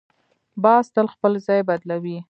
باز تل خپل ځای بدلوي